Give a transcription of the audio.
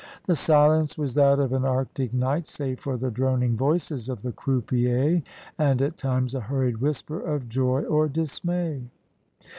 The silence was that of an arctic night, save for the droning voices of the croupiers, and at times a hurried whisper of joy or dismay.